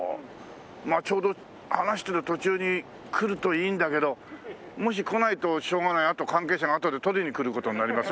ちょうど話してる途中に来るといいんだけどもし来ないとしょうがない関係者があとで撮りにくる事になります。